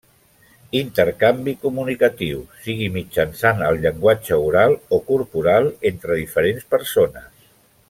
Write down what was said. Intercanvi comunicatiu, sigui mitjançant el llenguatge oral o corporal, entre diferents persones.